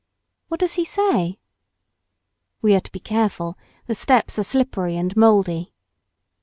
"What does he say?" "We are to be careful, the steps are slippery and mouldy."